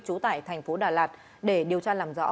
trú tại thành phố đà lạt để điều tra làm rõ